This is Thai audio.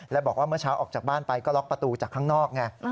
แล้วบอกว่าเมื่อเช้าออกจากบ้านไปก็ล็อกประตูจากข้างนอกไง